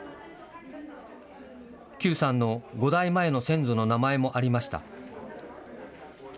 邱さんの５代前の先祖の名前もありました。